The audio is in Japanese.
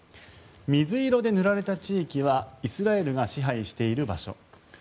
水色で塗られた地域はイスラエルが支配している場所。